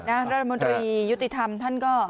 รัฐมนตรียุติธรรมท่านก็